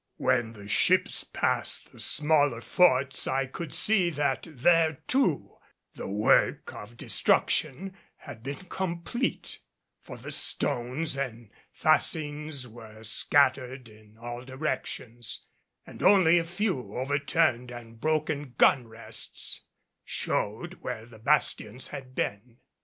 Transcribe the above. When the ships passed the smaller forts I could see that there too the work of destruction had been complete; for the stones and fascines were scattered in all directions, and only a few overturned and broken gun rests showed where the bastions had been.